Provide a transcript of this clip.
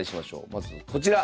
まずこちら。